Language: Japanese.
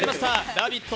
「ラヴィット！」